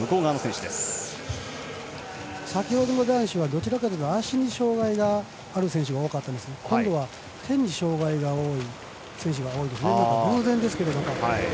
先ほどの男子は足に障がいがある選手が多かったんですけど今度は手に障がいがある選手が多いですね。